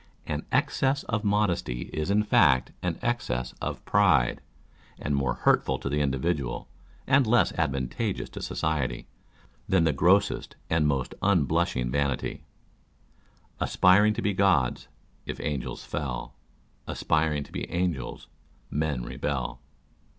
An excess of modesty is in fact an excess of pride, and more hurtful to the individual, and less advan tageous to society, than the grossest and most unblushing vanity Aspiring to be gods, if angels fell, Aspiring to be angels, men rebel.